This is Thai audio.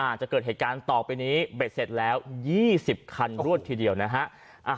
อาจจะเกิดเหตุการณ์ต่อไปนี้เบ็ดเสร็จแล้ว๒๐คันรวดทีเดียวนะฮะ